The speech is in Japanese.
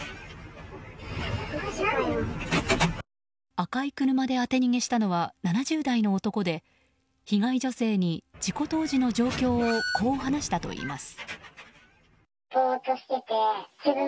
赤い車で当て逃げしたのは７０代の男で被害女性に事故当時の状況をこう話したといいます。